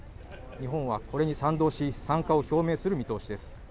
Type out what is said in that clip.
日本はこれに賛同し参加を表明する見通しです。